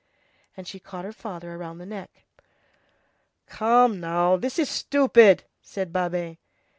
And she caught her father round the neck again. "Come, now, this is stupid!" said Babet.